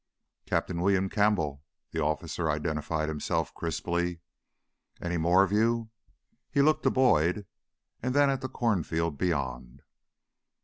"Captain William Campbell," the officer identified himself crisply. "Any more of you?" He looked to Boyd and then at the cornfield beyond.